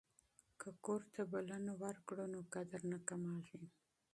که کور ته بلنه ورکړو نو قدر نه کمیږي.